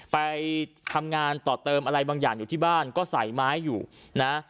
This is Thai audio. ไปทำงานต่อเติมอะไรบางอย่างอยู่ที่บ้านก็ใส่ไม้อยู่นะ